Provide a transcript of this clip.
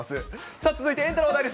さあ、続いて、エンタの話題です。